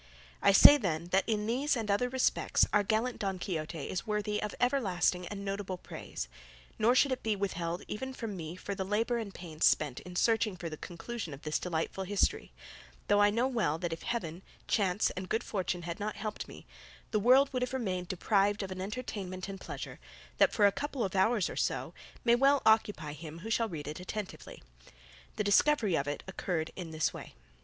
I say, then, that in these and other respects our gallant Don Quixote is worthy of everlasting and notable praise, nor should it be withheld even from me for the labour and pains spent in searching for the conclusion of this delightful history; though I know well that if Heaven, chance and good fortune had not helped me, the world would have remained deprived of an entertainment and pleasure that for a couple of hours or so may well occupy him who shall read it attentively. The discovery of it occurred in this way.